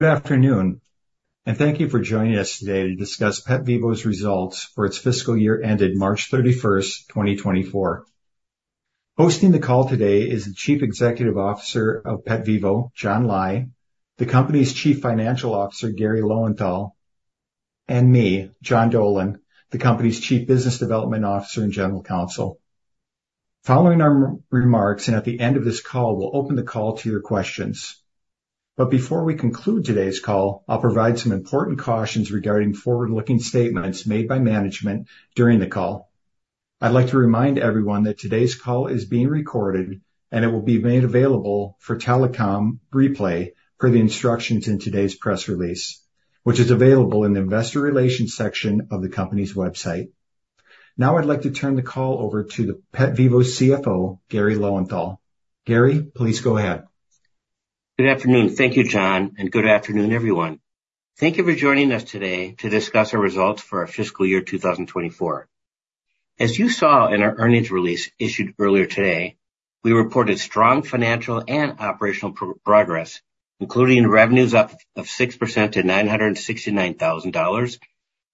Good afternoon, and thank you for joining us today to discuss PetVivo's results for its fiscal year ended March 31, 2024. Hosting the call today is the Chief Executive Officer of PetVivo, John Lai; the company's Chief Financial Officer, Garry Lowenthal; and me, John Dolan, the company's Chief Business Development Officer and General Counsel. Following our remarks and at the end of this call, we'll open the call to your questions. But before we conclude today's call, I'll provide some important cautions regarding forward-looking statements made by management during the call. I'd like to remind everyone that today's call is being recorded, and it will be made available for telecom replay per the instructions in today's press release, which is available in the investor relations section of the company's website. Now, I'd like to turn the call over to the PetVivo CFO, Garry Lowenthal. Garry, please go ahead. Good afternoon. Thank you, John, and good afternoon, everyone. Thank you for joining us today to discuss our results for our fiscal year 2024. As you saw in our earnings release issued earlier today, we reported strong financial and operational progress, including revenues up 6% to $969,000,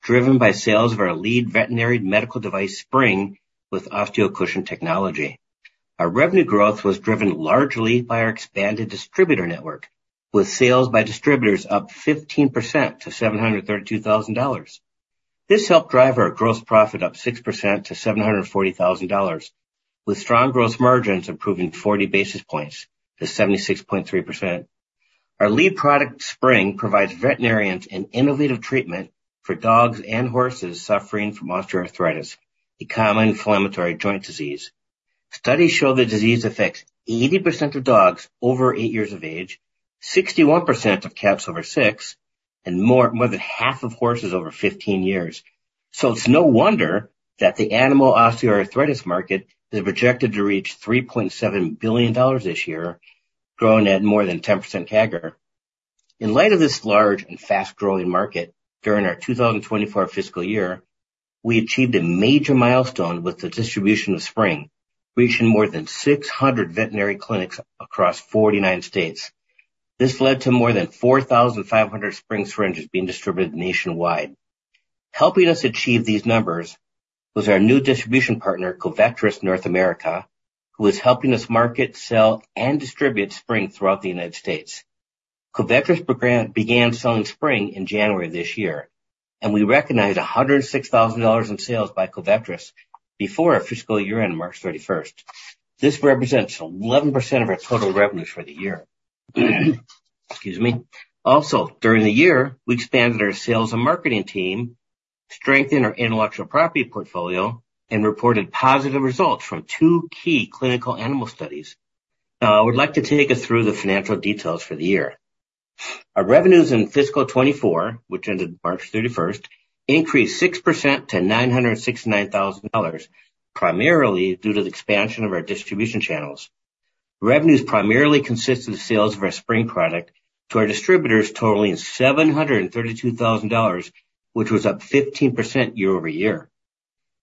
driven by sales of our lead veterinary medical device, Spryng with OsteoCushion Technology. Our revenue growth was driven largely by our expanded distributor network, with sales by distributors up 15% to $732,000. This helped drive our gross profit up 6% to $740,000, with strong gross margins improving 40 basis points to 76.3%. Our lead product, Spryng, provides veterinarians an innovative treatment for dogs and horses suffering from osteoarthritis, a common inflammatory joint disease. Studies show the disease affects 80% of dogs over eight years of age, 61% of cats over six, and more than half of horses over 15 years. So it's no wonder that the animal osteoarthritis market is projected to reach $3.7 billion this year, growing at more than 10% CAGR. In light of this large and fast-growing market during our 2024 fiscal year, we achieved a major milestone with the distribution of Spryng, reaching more than 600 veterinary clinics across 49 states. This led to more than 4,500 Spryng syringes being distributed nationwide. Helping us achieve these numbers was our new distribution partner, Covetrus North America, who is helping us market, sell, and distribute Spryng throughout the United States. Covetrus began selling Spryng in January of this year, and we recognized $106,000 in sales by Covetrus before our fiscal year end, March 31st. This represents 11% of our total revenues for the year. Excuse me. Also, during the year, we expanded our sales and marketing team, strengthened our intellectual property portfolio, and reported positive results from two key clinical animal studies. Now, I would like to take us through the financial details for the year. Our revenues in fiscal 2024, which ended March 31, increased 6% to $969,000, primarily due to the expansion of our distribution channels. Revenues primarily consisted of sales of our Spryng product to our distributors, totaling $732,000, which was up 15% year-over-year.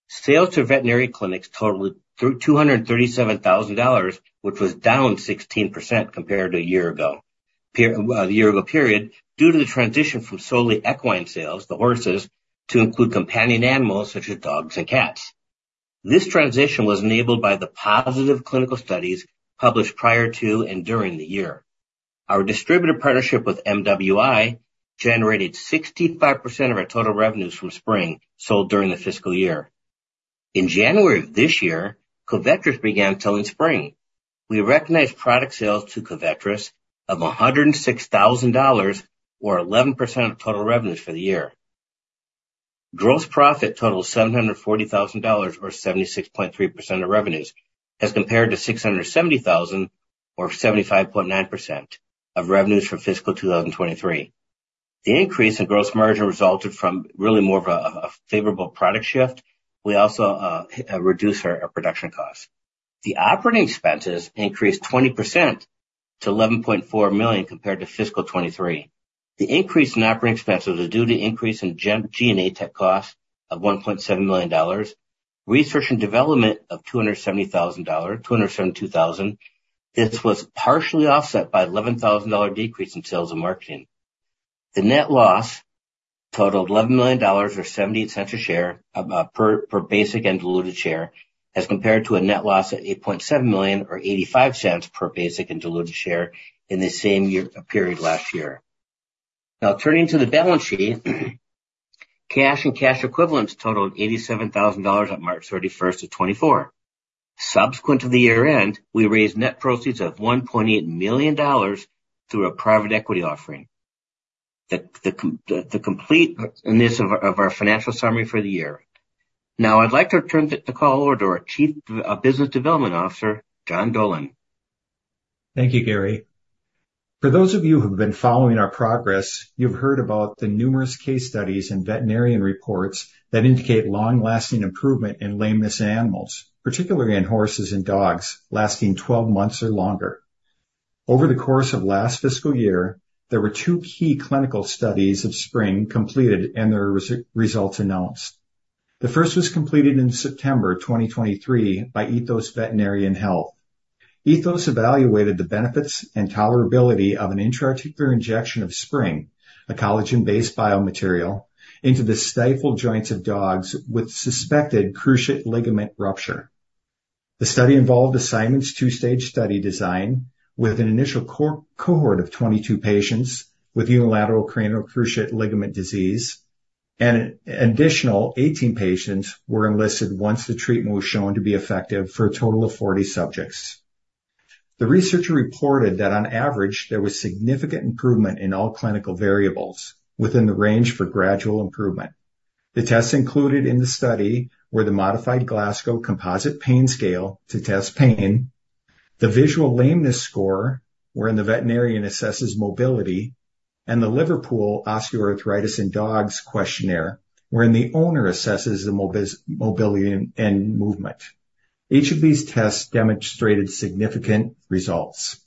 Sales to veterinary clinics totaled $237,000, which was down 16% compared to a year ago, due to the transition from solely equine sales, the horses, to include companion animals such as dogs and cats. This transition was enabled by the positive clinical studies published prior to and during the year. Our distributor partnership with MWI generated 65% of our total revenues from Spryng sold during the fiscal year. In January of this year, Covetrus began selling Spryng. We recognized product sales to Covetrus of $106,000, or 11% of total revenues for the year. Gross profit totaled $740,000, or 76.3% of revenues, as compared to $670,000, or 75.9% of revenues for fiscal 2023. The increase in gross margin resulted from really more of a favorable product shift. We also reduced our production costs. The operating expenses increased 20% to $11.4 million compared to fiscal 2023. The increase in operating expenses was due to an increase in G&A tech costs of $1.7 million, research and development of $272,000. This was partially offset by a $11,000 decrease in sales and marketing. The net loss totaled $11 million, or $0.78 per basic and diluted share, as compared to a net loss of $8.7 million, or $0.85 per basic and diluted share in the same year period last year. Now, turning to the balance sheet, cash and cash equivalents totaled $87,000 at March 31st, 2024. Subsequent to the year end, we raised net proceeds of $1.8 million through a private equity offering. The complete list of our financial summary for the year. Now, I'd like to turn the call over to our Chief Business Development Officer, John Dolan. Thank you, Garry. For those of you who have been following our progress, you've heard about the numerous case studies and veterinarian reports that indicate long-lasting improvement in lameness in animals, particularly in horses and dogs, lasting 12 months or longer. Over the course of last fiscal year, there were two key clinical studies of Spryng completed and their results announced. The first was completed in September 2023 by Ethos Veterinary Health. Ethos evaluated the benefits and tolerability of an intra-articular injection of Spryng, a collagen-based biomaterial, into the stifle joints of dogs with suspected cruciate ligament rupture. The study involved a simultaneous two-stage study design with an initial cohort of 22 patients with unilateral cranial cruciate ligament disease, and additional 18 patients were enlisted once the treatment was shown to be effective for a total of 40 subjects. The researcher reported that, on average, there was significant improvement in all clinical variables within the range for gradual improvement. The tests included in the study were the Modified Glasgow Composite Pain Scale to test pain, the visual lameness score, wherein the veterinarian assesses mobility, and the Liverpool Osteoarthritis in Dogs questionnaire, wherein the owner assesses the mobility and movement. Each of these tests demonstrated significant results.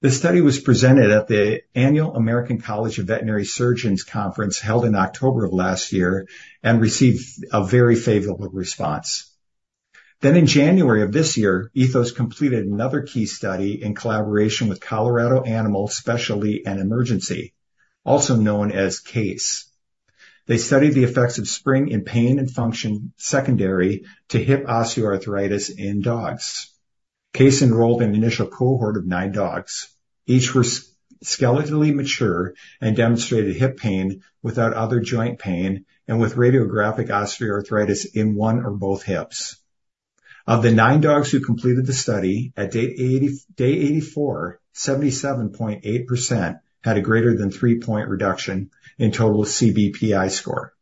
The study was presented at the annual American College of Veterinary Surgeons conference held in October of last year and received a very favorable response. Then, in January of this year, Ethos completed another key study in collaboration with Colorado Animal Specialty and Emergency, also known as CASE. They studied the effects of Spryng in pain and function secondary to hip osteoarthritis in dogs. CASE enrolled an initial cohort of nine dogs. Each was skeletally mature and demonstrated hip pain without other joint pain and with radiographic osteoarthritis in one or both hips. Of the nine dogs who completed the study, at day 84, 77.8% had a greater than three-point reduction in total CBPI score,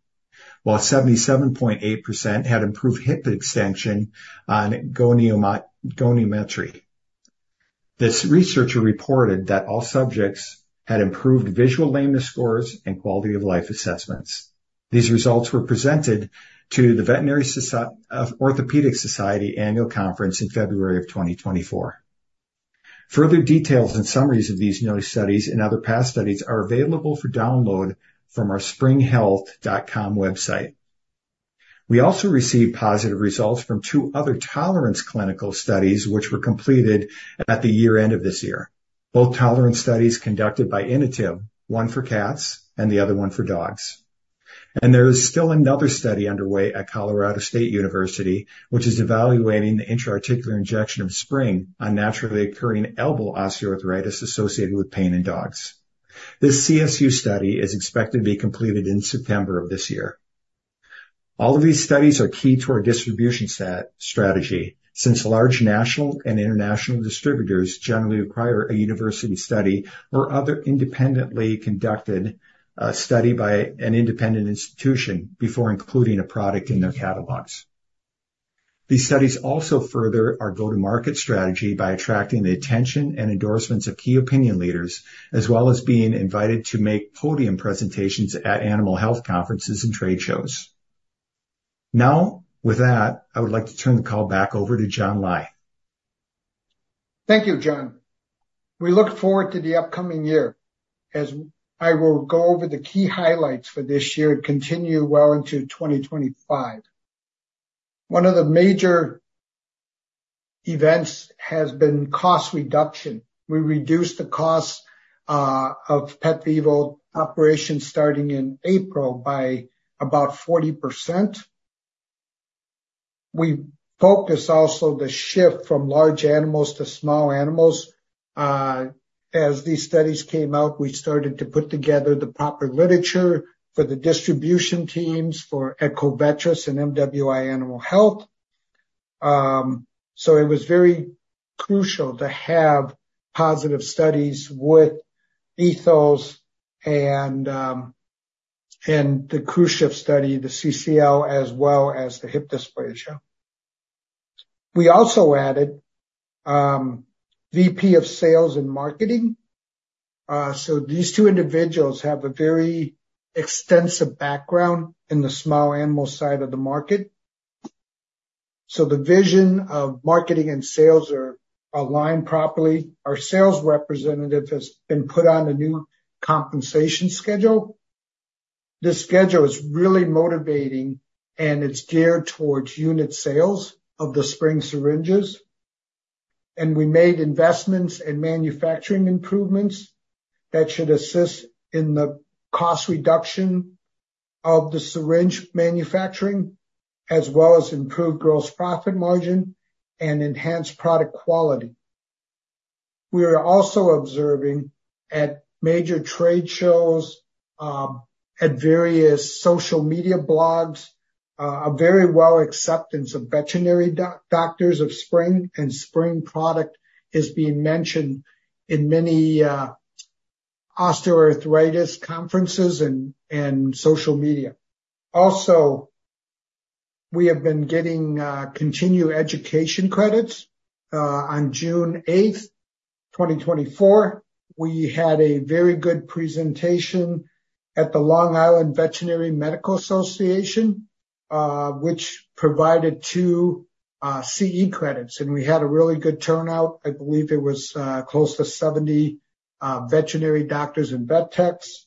while 77.8% had improved hip extension on goniometry. This researcher reported that all subjects had improved visual lameness scores and quality of life assessments. These results were presented to the Veterinary Orthopedic Society annual conference in February of 2024. Further details and summaries of these new studies and other past studies are available for download from our Sprynghealth.com website. We also received positive results from two other tolerance clinical studies, which were completed at the year end of this year. Both tolerance studies conducted by Inotiv, one for cats and the other one for dogs. There is still another study underway at Colorado State University, which is evaluating the intra-articular injection of Spryng on naturally occurring elbow osteoarthritis associated with pain in dogs. This CSU study is expected to be completed in September of this year. All of these studies are key to our distribution strategy since large national and international distributors generally require a university study or other independently conducted study by an independent institution before including a product in their catalogs. These studies also further our go-to-market strategy by attracting the attention and endorsements of key opinion leaders, as well as being invited to make podium presentations at animal health conferences and trade shows. Now, with that, I would like to turn the call back over to John Lai. Thank you, John. We look forward to the upcoming year, as I will go over the key highlights for this year and continue well into 2025. One of the major events has been cost reduction. We reduced the cost of PetVivo operations starting in April by about 40%. We focused also the shift from large animals to small animals. As these studies came out, we started to put together the proper literature for the distribution teams for Covetrus and MWI Animal Health. So it was very crucial to have positive studies with Ethos and the cruciate study, the CCL, as well as the hip dysplasia. We also added VP of Sales and Marketing. So these two individuals have a very extensive background in the small animal side of the market. So the vision of marketing and sales are aligned properly. Our sales representative has been put on a new compensation schedule. This schedule is really motivating, and it's geared towards unit sales of the Spryng syringes. We made investments in manufacturing improvements that should assist in the cost reduction of the syringe manufacturing, as well as improved gross profit margin and enhanced product quality. We are also observing at major trade shows, at various social media blogs, a very well acceptance of veterinary doctors of Spryng and Spryng product is being mentioned in many osteoarthritis conferences and social media. Also, we have been getting continued education credits. On June 8, 2024, we had a very good presentation at the Long Island Veterinary Medical Association, which provided two CE credits, and we had a really good turnout. I believe it was close to 70 veterinary doctors and vet techs.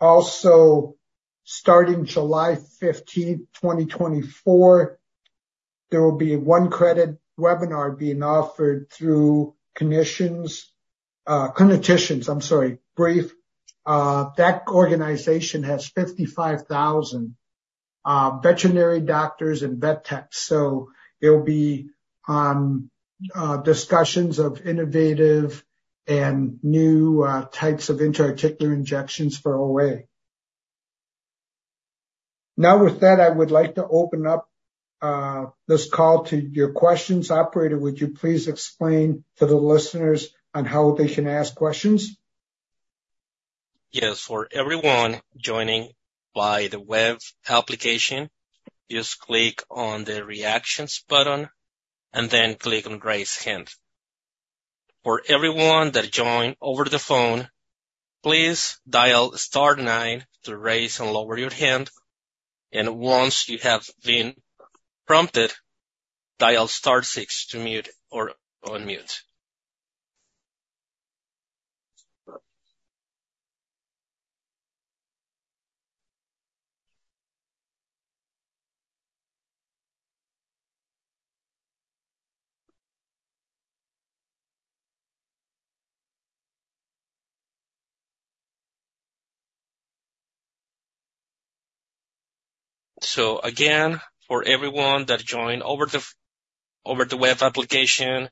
Also, starting July 15, 2024, there will be a one-credit webinar being offered through Clinician's Brief. That organization has 55,000 veterinary doctors and vet techs. So there will be discussions of innovative and new types of intra-articular injections for OA. Now, with that, I would like to open up this call to your questions. Operator, would you please explain to the listeners on how they can ask questions? Yes. For everyone joining by the web application, just click on the reactions button and then click on raise hand. For everyone that joined over the phone, please dial star nine to raise and lower your hand. Once you have been prompted, dial star six to mute or unmute. Again, for everyone that joined over the web application,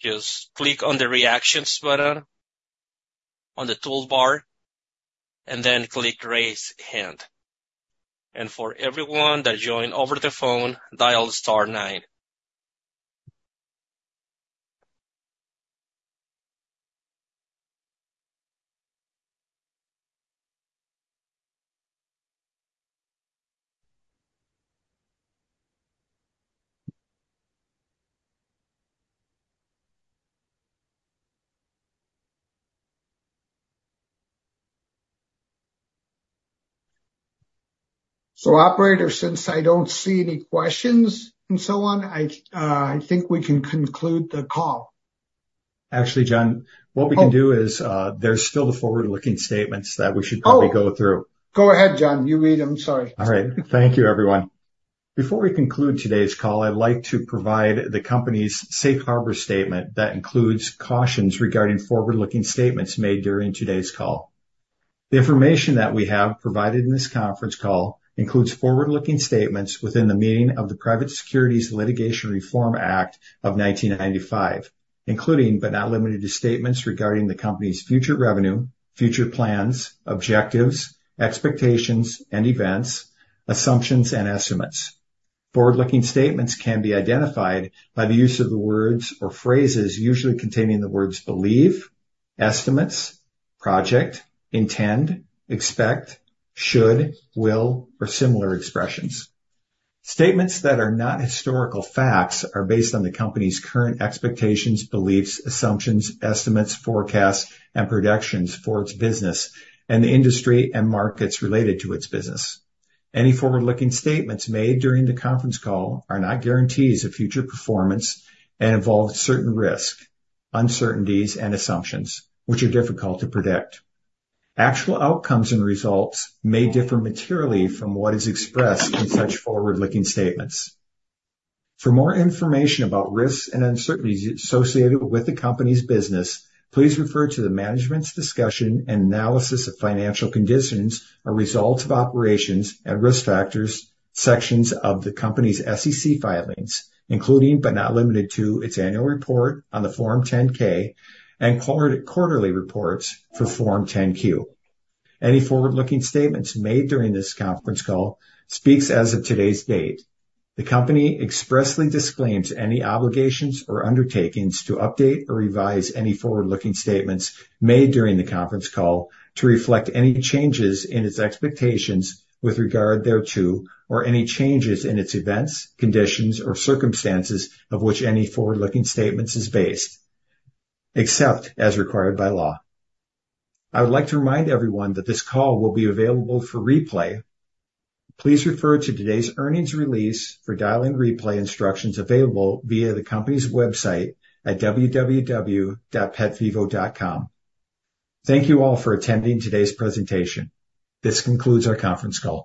just click on the reactions button on the toolbar and then click raise hand. For everyone that joined over the phone, dial star nine. Operator, since I don't see any questions and so on, I think we can conclude the call. Actually, John, what we can do is there's still the forward-looking statements that we should probably go through. Go ahead, John. You read them. Sorry. All right. Thank you, everyone. Before we conclude today's call, I'd like to provide the company's safe harbor statement that includes cautions regarding forward-looking statements made during today's call. The information that we have provided in this conference call includes forward-looking statements within the meaning of the Private Securities Litigation Reform Act of 1995, including, but not limited to, statements regarding the company's future revenue, future plans, objectives, expectations, and events, assumptions, and estimates. Forward-looking statements can be identified by the use of the words or phrases usually containing the words believe, estimates, project, intend, expect, should, will, or similar expressions. Statements that are not historical facts are based on the company's current expectations, beliefs, assumptions, estimates, forecasts, and projections for its business and the industry and markets related to its business. Any forward-looking statements made during the conference call are not guarantees of future performance and involve certain risks, uncertainties, and assumptions, which are difficult to predict. Actual outcomes and results may differ materially from what is expressed in such forward-looking statements. For more information about risks and uncertainties associated with the company's business, please refer to the management's discussion and analysis of financial conditions or results of operations and risk factors sections of the company's SEC filings, including, but not limited to, its annual report on the Form 10-K and quarterly reports for Form 10-Q. Any forward-looking statements made during this conference call speaks as of today's date. The company expressly disclaims any obligations or undertakings to update or revise any forward-looking statements made during the conference call to reflect any changes in its expectations with regard thereto or any changes in its events, conditions, or circumstances of which any forward-looking statements is based, except as required by law. I would like to remind everyone that this call will be available for replay. Please refer to today's earnings release for dialing replay instructions available via the company's website at www.petvivo.com. Thank you all for attending today's presentation. This concludes our conference call.